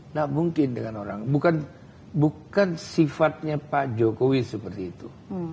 nggak mungkin dengan orang bukan sifatnya pak jokowi seperti itu